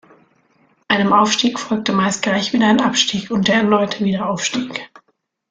Einem Aufstieg folgte meist gleich wieder ein Abstieg und der erneute Wiederaufstieg.